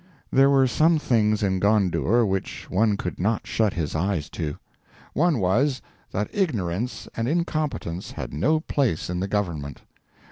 There were some things in Gondour which one could not shut his eyes to. One was, that ignorance and incompetence had no place in the government.